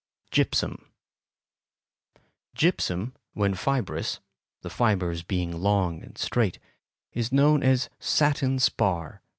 Gypsum Gypsum when fibrous—the fibres being long and straight—is known as "satin spar."